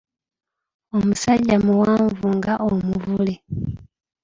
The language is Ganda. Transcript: Omusajja muwanvu nga Omuvule.